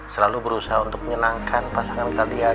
selalu berusaha untuk nyenangkan pasangan kalian